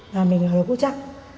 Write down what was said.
là mình ở đó cố chắc